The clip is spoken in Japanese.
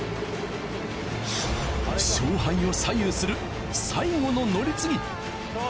勝敗を左右する最後の乗り継ぎ。